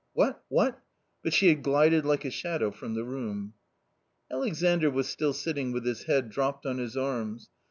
n " What, what ?" fiut she had glided like a shadow from the room. Atexandr was still sitting with his head dropped on his arms.